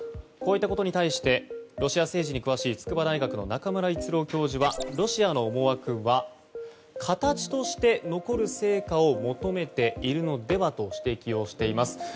こういったことに対してロシア政治に詳しい筑波大学の中村逸郎教授はロシアの思惑は形として残る成果を求めているのではと指摘をしています。